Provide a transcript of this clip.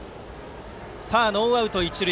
ノーアウト、一塁。